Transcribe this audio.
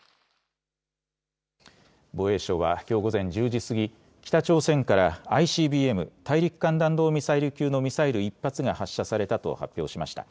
防衛省は、きょう午前１０時過ぎ、北朝鮮からＩＣＢＭ・大陸間弾道ミサイル級のミサイル１発が発射されたと発表しました。